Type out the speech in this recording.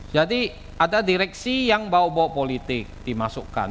jadi ada direksi yang bawa bawa politik dimasukkan